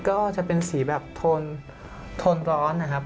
ก็จะเป็นสีแบบโทนร้อนนะครับ